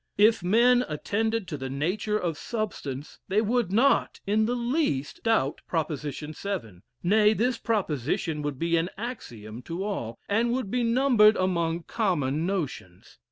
If men attended to the nature of substance, they would not, in the least, doubt proposition seven; nay, this proposition would be an axiom to all, and would be numbered among common notions.